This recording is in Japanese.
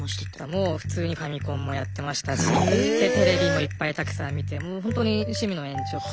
もう普通にファミコンもやってましたしテレビもいっぱいたくさん見てもうほんとに趣味の延長。